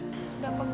sita aku mau pergi